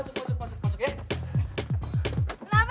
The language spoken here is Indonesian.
udah lo masuk masuk masuk ya